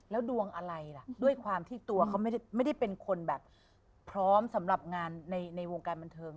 แล้วดวงอะไรล่ะด้วยความที่ตัวเขาไม่ได้เป็นคนแบบพร้อมสำหรับงานในวงการบันเทิง